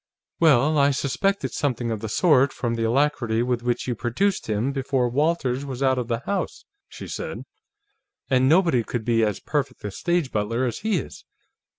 "Well, I suspected something of the sort from the alacrity with which you produced him, before Walters was out of the house," she said. "And nobody could be as perfect a stage butler as he is.